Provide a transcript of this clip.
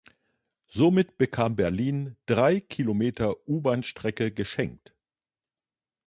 Somit bekam Berlin drei Kilometer U-Bahn-Strecke geschenkt.